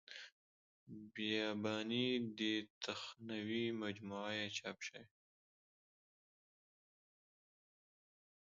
بیاباني دې تخنوي مجموعه یې چاپ شوې.